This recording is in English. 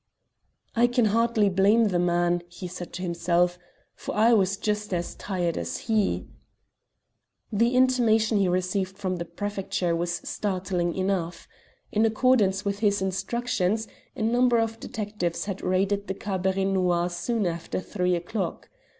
"I can hardly blame the man," said he to himself, "for I was just as tired as he." The intimation he received from the Prefecture was startling enough. In accordance with his instructions a number of detectives had raided the Cabaret Noir soon after three o'clock.